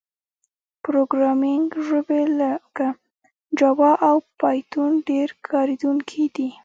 پروګرامینګ ژبې لکه جاوا او پایتون ډېر کارېدونکي دي.